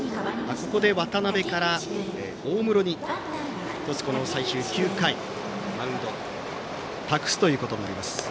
ここで渡辺から大室に最終９回のマウンドを託すということになります。